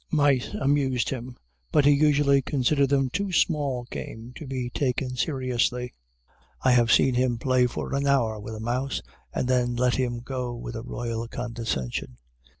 Mice amused him, but he usually considered them too small game to be taken seriously; I have seen him play for an hour with a mouse, and then let him go with a royal condescension.